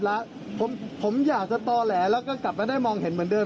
แล้วผมอยากจะต่อแหลแล้วก็กลับมาได้มองเห็นเหมือนเดิ